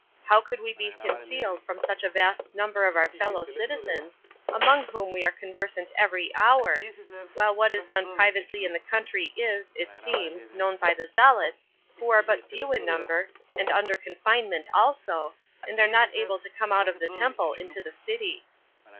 How could we be concealed from such a vast number of our fellow citizens, among whom we are conversant every hour, while what is done privately in the country is, it seems, known by the zealots, who are but few in number, and under confinement also, and are not able to come out of the temple into the city.